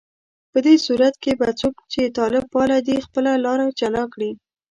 په دې صورت کې به څوک چې طالب پاله دي، خپله لاره جلا کړي